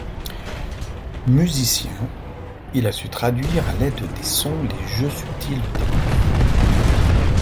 Musicien, il a su traduire à l'aide des sons les jeux subtils des couleurs.